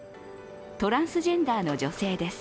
トランスジェンダーの女性です。